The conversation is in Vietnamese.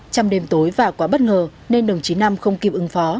trong đêm tối và quá bất ngờ nên đồng chí nam không kịp ứng phó